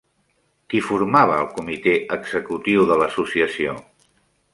Qui formava el comitè executiu de l'associació?